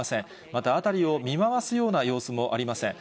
また辺りを見回すような様子もありません。